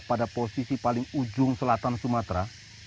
pada posisi paling ujung selatan sumatera